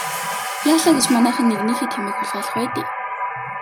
Яалаа гэж манайхан нэгнийхээ тэмээг хулгайлах вэ дээ.